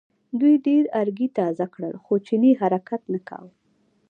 دوی ډېر ارګی تازه کړل خو چیني حرکت نه کاوه.